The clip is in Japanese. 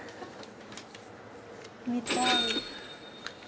見たい。